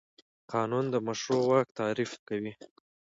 قانون د مشروع واک تعریف کوي.